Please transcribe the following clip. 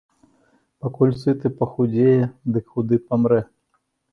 Пакуль сыты пахудзее, дык худы памрэ.